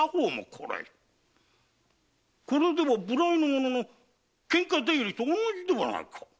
それでは無頼の者の喧嘩出入りと同じではないか！